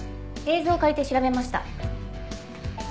映像を借りて調べました。